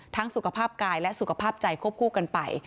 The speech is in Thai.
สุขภาพกายและสุขภาพใจควบคู่กันไป